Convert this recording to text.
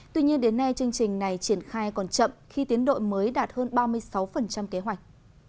tuy nhiên đến nay chương trình này triển khai còn chậm khi tiến đội mới đạt hơn ba mươi sáu kế hoạch